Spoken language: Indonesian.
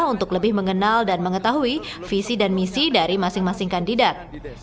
untuk lebih mengenal dan mengetahui visi dan misi dari masing masing kandidat